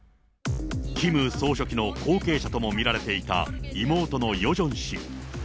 キム総書記の後継者とも見られていた妹のヨジョン氏。